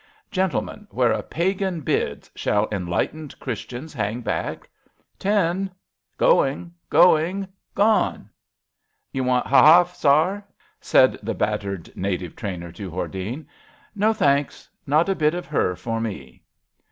Gentlemen, where a Pagan bids shall enlightened Christians hang back! Ten! Going, going, gone! 'You want ha af, sar! '^ said the bat tered native trainer to Hordene. No, thanks — not a bit of her for me.''